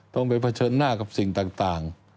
ต้องไปเผชิญหน้ากับสิ่งต่าง